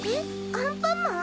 アンパンマン？